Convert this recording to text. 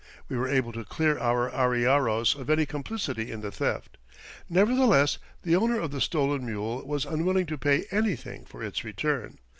We were able to clear our arrieros of any complicity in the theft. Nevertheless, the owner of the stolen mule was unwilling to pay anything for its return.